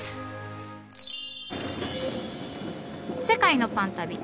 世界のパン旅。